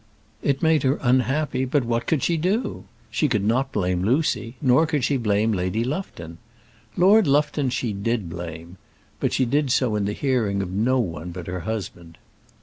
It made her unhappy, but what could she do? She could not blame Lucy, nor could she blame Lady Lufton. Lord Lufton she did blame, but she did so in the hearing of no one but her husband.